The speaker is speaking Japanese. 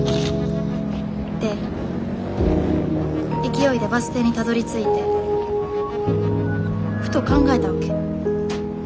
で勢いでバス停にたどりついてふと考えたわけ。